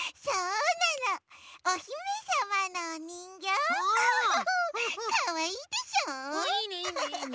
うんいいねいいねいいね！